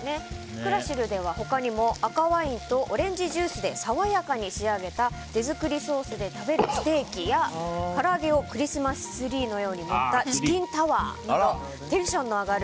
クラシルでは他にも赤ワインとオレンジジュースで爽やかに仕上げた手づくりソースで食べるステーキやから揚げをクリスマスツリーのように盛ったチキンタワーなどテンションの上がる